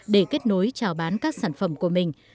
để kết nối trào bán các sản phẩm của mình